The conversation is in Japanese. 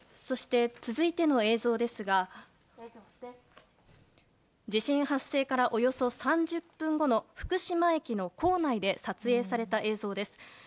そして、続いての映像ですが地震発生からおよそ３０分後の福島駅構内で撮影された映像です。